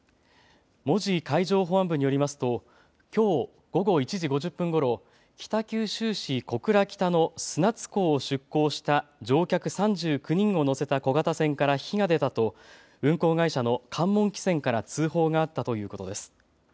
門司海上保安部によりますときょう午後１時５０分ごろ北九州市小倉北の砂津港を出港した乗客３９人を乗せた小型船から火が出たと運航会社の関門汽船から通報があったということです。